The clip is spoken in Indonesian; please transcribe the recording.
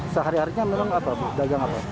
sehari harinya memang apa apa